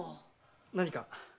何か？